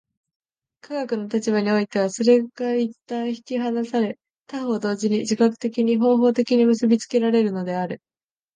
科学の立場においてはそれが一旦引き離され、他方同時に自覚的に、方法的に結び付けられるのである。